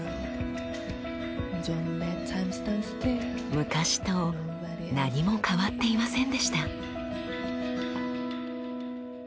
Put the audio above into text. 昔と何も変わっていませんでした。